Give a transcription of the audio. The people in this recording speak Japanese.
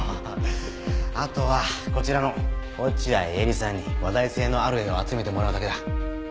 あとはこちらの落合エリさんに話題性のある絵を集めてもらうだけだ。